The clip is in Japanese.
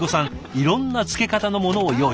いろんな漬け方のものを用意します。